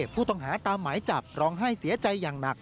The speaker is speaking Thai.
ผู้ต้องหาตามหมายจับร้องไห้เสียใจอย่างหนัก